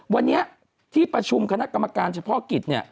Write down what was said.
วันนี้ที่ประชุมคณะกรรมการเฉพาะกิจเนี่ย